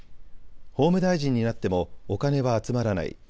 法務大臣になってもお金は集まらない。